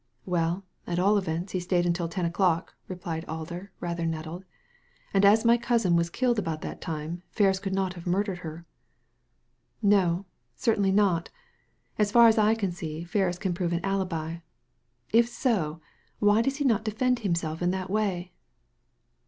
•'Well, at all events, he stayed until ten o'clock," replied Alder, rather nettled "And as my cousin was killed about that time, Ferris could not have murdered her." No ! Certainly not So far as I can see, Ferris can prove an alibL If so, why does he not defend himself in that way